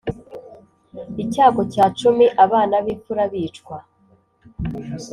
icyago cya cumi abana b imfura bicwa